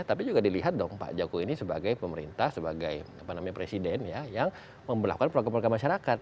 tapi juga dilihat dong pak jokowi ini sebagai pemerintah sebagai apa namanya presiden ya yang melakukan program program masyarakat